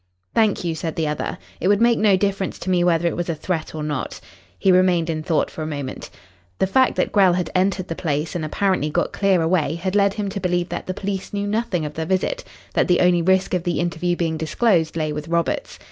"Thank you," said the other. "It would make no difference to me whether it was a threat or not." He remained in thought for a moment. The fact that Grell had entered the place and apparently got clear away had led him to believe that the police knew nothing of the visit, that the only risk of the interview being disclosed lay with Roberts.